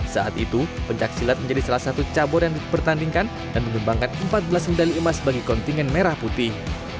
saat itu pencaksilat menjadi salah satu cabur yang dipertandingkan dan mengembangkan empat belas medali emas bagi kontingen merah putih